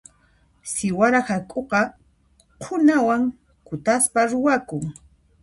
Siwara hak'uqa qhunawan kutaspa ruwakun.